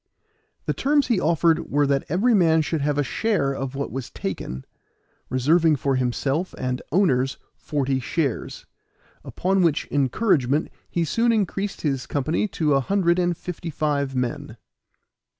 The terms he offered were that every man should have a share of what was taken, reserving for himself and owners forty shares. Upon which encouragement he soon increased his company to a hundred and fifty five men.